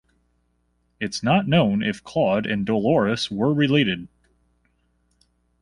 It's not known if Claude and Dolores were related.